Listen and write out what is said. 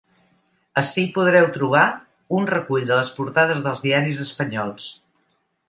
Ací podreu trobar un recull de les portades dels diaris espanyols.